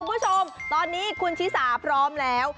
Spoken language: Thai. คุณผู้ชมตอนนี้คุณชิสาพร้อมแล้ว